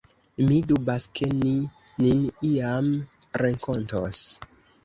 Mi dubas, ke ni nin iam renkontos.